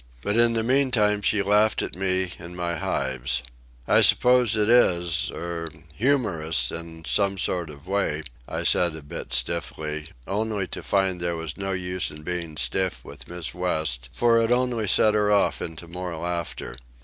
But in the meantime she laughed at me and my hives. "I suppose it is—er—humorous, in some sort of way," I said a bit stiffly, only to find that there was no use in being stiff with Miss West, for it only set her off into more laughter.